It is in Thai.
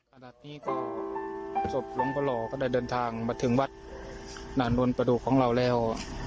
ขณะนี้ก็ศพหลวงพ่อหล่อก็ได้เดินทางมาถึงวัดนานนวลประดูกของเราแล้ว